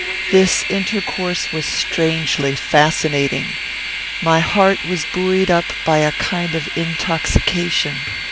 This intercourse was strangely fascinating. My heart was buoyed up by a kind of intoxication.